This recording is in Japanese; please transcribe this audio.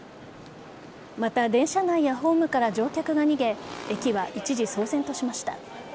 また、電車内やホームから乗客が逃げ駅は一時騒然としました。